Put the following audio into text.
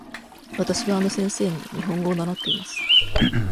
わたしはあの先生に日本語を習っています。